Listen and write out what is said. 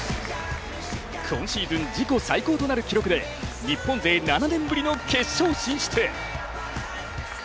今シーズン自己最高となる記録で日本勢７年ぶりの決勝進出。